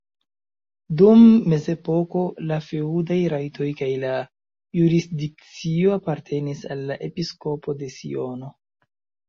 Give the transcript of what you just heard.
Dum mezepoko la feŭdaj rajtoj kaj la jurisdikcio apartenis al la episkopo de Siono.